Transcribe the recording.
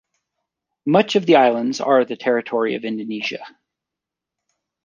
Much of the islands are the territory of Indonesia.